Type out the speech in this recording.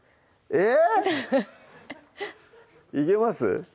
えっ⁉いけます？